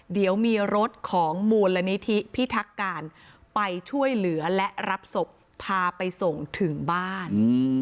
เดี๋ยวมีรถของมูลนิธิพิทักการไปช่วยเหลือและรับศพพาไปส่งถึงบ้าน